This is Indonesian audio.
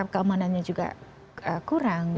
keamanannya juga kurang